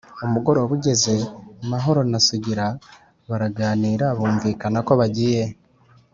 Umugoroba ugeze, Mahoro na Sugira baraganira, bumvikana ko bagiye